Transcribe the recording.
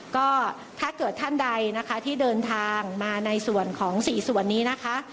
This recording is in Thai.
ก็ถ้าเกิดท่านใดนะคะที่เดินทางมาในส่วนของ๔ส่วนนี้นะคะ